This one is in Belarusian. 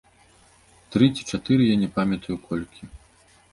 Тры ці чатыры, я не памятаю, колькі.